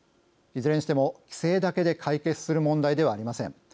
いずれにしても規制だけで解決する問題ではありません。